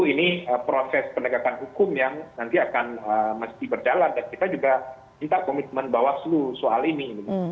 ini proses penegakan hukum yang nanti akan mesti berjalan dan kita juga minta komitmen bawaslu soal ini